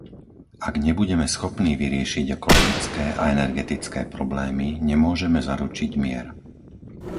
Ak nebudeme schopní vyriešiť ekologické a energetické problémy, nemôžeme zaručiť mier.